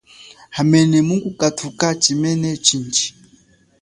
Hamene mungukathuka chimene chindji.